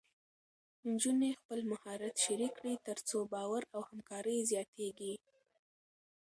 نجونې خپل مهارت شریک کړي، تر څو باور او همکاري زیاتېږي.